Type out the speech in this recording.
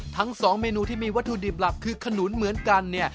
ทั้งสองเมนูที่มีวัตถุดิบหลักคือขนุนเหมือนกันเนี่ย